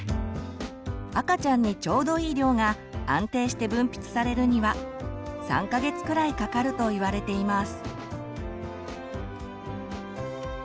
赤ちゃんにちょうどいい量が安定して分泌されるには３か月くらいかかるといわれています。